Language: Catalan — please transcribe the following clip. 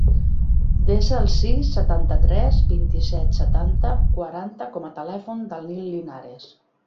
Desa el sis, setanta-tres, vint-i-set, setanta, quaranta com a telèfon del Nil Linares.